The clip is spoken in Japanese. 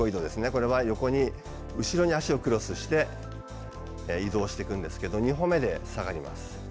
これは横に後ろに脚をクロスして移動していくんですけど２歩目で下がります。